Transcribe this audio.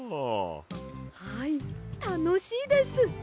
はいたのしいです！